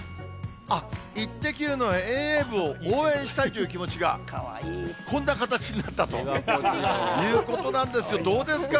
あっ、イッテＱ！の遠泳部を応援したいという気持ちが、こんな形になったということなんです。